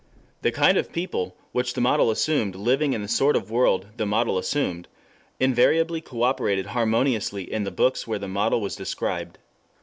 The kind of people, which the model assumed, living in the sort of world the model assumed, invariably coöperated harmoniously in the books where the model was described.